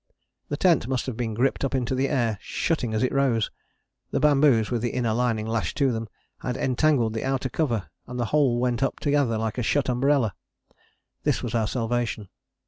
The tent must have been gripped up into the air, shutting as it rose. The bamboos, with the inner lining lashed to them, had entangled the outer cover, and the whole went up together like a shut umbrella. This was our salvation.